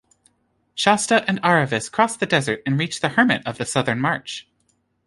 Shasta and Aravis cross the desert and reach the Hermit of the Southern March.